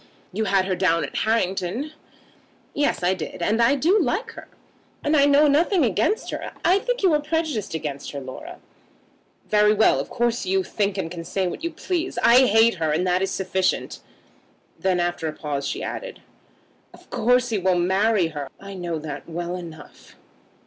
"You had her down at Harrington." "Yes; I did. And I do like her. And I know nothing against her. I think you are prejudiced against her, Laura." "Very well. Of course you think and can say what you please. I hate her, and that is sufficient." Then, after a pause, she added, "Of course he will marry her. I know that well enough.